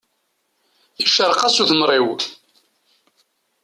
Iceṛeq-as utemṛiw.